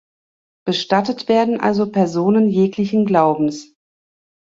Bestattet werden also Personen jeglichen Glaubens.